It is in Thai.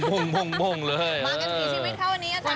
มากันกี่ชีวิตครับวันนี้อาจารย์